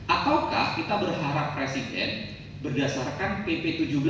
ataukah kita berharap presiden berdasarkan pp tujuh belas dua ribu dua puluh